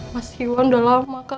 mas iwan udah lama kak